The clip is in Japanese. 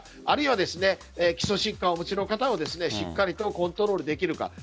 あるいは基礎疾患をお持ちの方をしっかりとコントロールできるか。